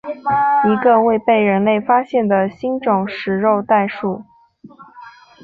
一个未被人类发现的新种食肉袋鼠。